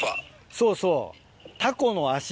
そうそう。